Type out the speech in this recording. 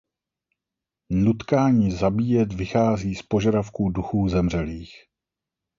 Nutkání zabíjet vychází z požadavků duchů zemřelých.